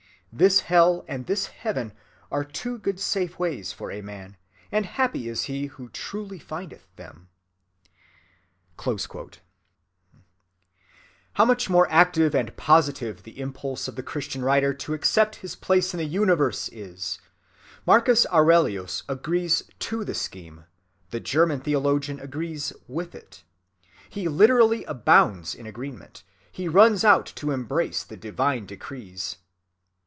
This hell and this heaven are two good safe ways for a man, and happy is he who truly findeth them."(16) How much more active and positive the impulse of the Christian writer to accept his place in the universe is! Marcus Aurelius agrees to the scheme—the German theologian agrees with it. He literally abounds in agreement, he runs out to embrace the divine decrees.